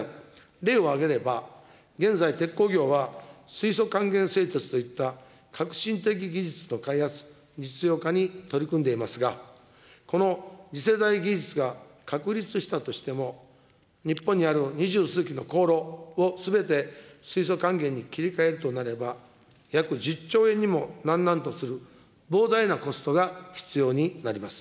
例を挙げれば、現在、鉄鋼業は水素還元製鉄といった革新的技術と開発、実用化に取り組んでいますが、この次世代技術が確立したとしても、日本にある二十数基の高炉をすべて水素還元に切り替えるとなれば、約１０兆円にもなんなんとする膨大なコストが必要になります。